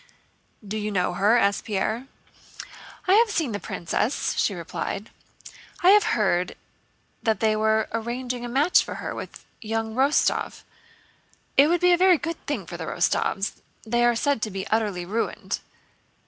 "Do you know her?" asked Pierre. "I have seen the princess," she replied. "I heard that they were arranging a match for her with young Rostóv. It would be a very good thing for the Rostóvs, they are said to be utterly ruined."